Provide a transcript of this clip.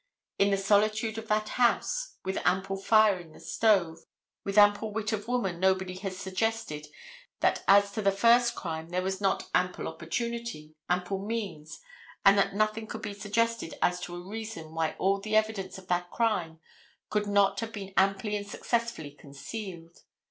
In the solitude of that house, with ample fire in the stove, with ample wit of woman nobody has suggested that as to the first crime there was not ample opportunity, ample means and that nothing could be suggested as a reason why all the evidence of that crime could not have been amply and successfully concealed.